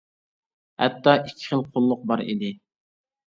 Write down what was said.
ھەتتا ئىككى خىل قۇللۇق بار ئىدى.